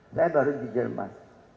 saya baru di jerman